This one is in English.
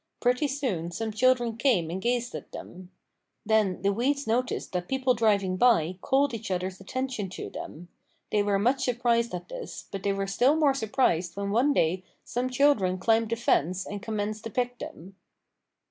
Pretty soon some children came and gazed at them. Then the weeds noticed that people driving by called each other's attention to them. They were much surprised at this, but they were still more surprised when one day some children climbed the fence and commenced to pick them.